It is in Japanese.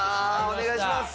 お願いします！